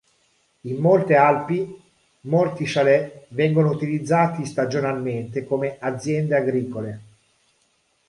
In molte Alpi molti chalet vengono utilizzati stagionalmente come aziende agricole.